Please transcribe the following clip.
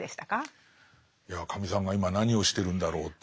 いやカミさんが今何をしてるんだろうっていう。